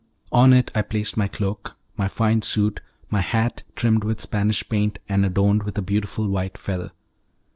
On it I placed my cloak, my fine suit, and my hat trimmed with Spanish paint and adorned with a beautiful white feather.